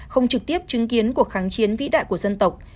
không trực tiếp chứng kiến cuộc kháng chiến vĩ đại của dân tộc